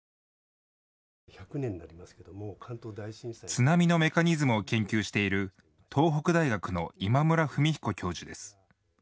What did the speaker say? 津波のメカニズムを研究している東北大学の今村文彦教授です。